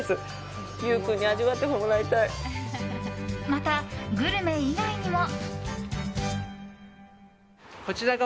また、グルメ以外にも。